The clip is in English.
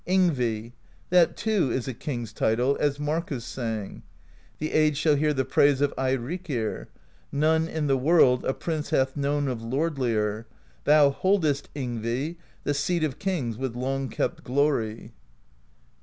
Yngvi: that too is a king's title, as Markus sang: The age shall hear the praise of Eirikr: None in the world a prince hath known of Lordlier; thou boldest, Yngvi, The Seat of Kings with long kept glory.